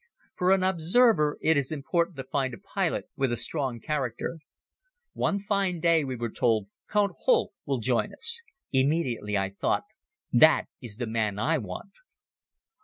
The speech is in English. For an observer it is important to find a pilot with a strong character. One fine day we were told, "Count Holck will join us." Immediately I thought, "That is the man I want."